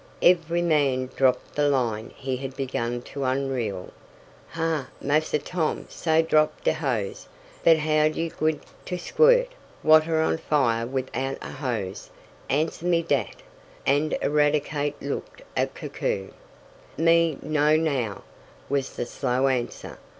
Every man dropped the line he had begun to unreel. "Ha! Massa Tom say drop de hose, but how yo' gwine t' squirt watah on a fire wifout a hose; answer me dat?" and Eradicate looked at Koku. "Me no know," was the slow answer.